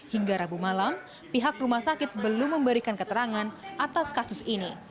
hingga rabu malam pihak rumah sakit belum memberikan keterangan atas kasus ini